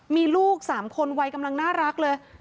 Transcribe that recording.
มีลูก๓คนวัยกำลังน่ารักเลย